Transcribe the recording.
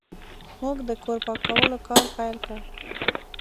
موږ د کور پاکولو کار پیل کړ.